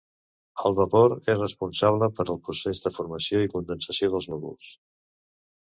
El vapor és responsable per al procés de formació i condensació dels núvols.